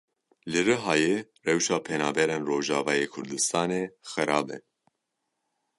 Li Rihayê rewşa penaberên Rojavayê Kurdistanê xerab e.